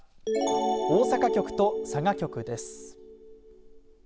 大阪局と佐賀局です。